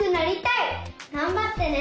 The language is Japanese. がんばってね！